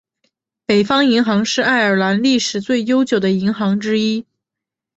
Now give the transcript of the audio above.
北方银行是爱尔兰历史最悠久的银行之一。